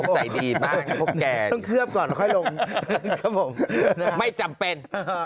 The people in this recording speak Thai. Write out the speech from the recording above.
ใส่ดีมากพวกแกงต้องเคลือบก่อนค่อยลงครับผมไม่จำเป็น